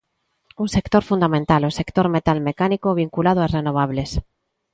Un sector fundamental, o sector metal-mecánico, vinculado ás renovables.